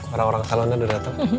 orang orang salonnya udah datang